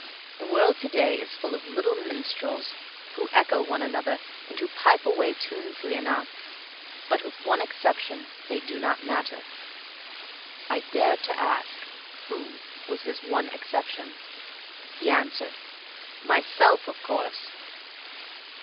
The world to day is full of little minstrels, who echo one another and who pipe away tunefully enough. But with one exception they do not matter." I dared to ask who was his one exception. He answered, "Myself, of course."